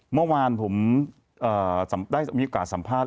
เมื่อวานผมได้มีโอกาสสัมภาษณ